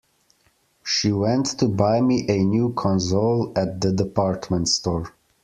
She went to buy me a new console at the department store.